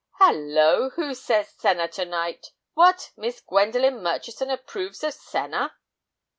"Hallo, who says senna to night? What! Miss Gwendolen Murchison approves of senna!"